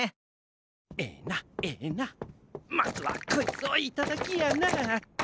エナエナまずはこいつをいただきやな！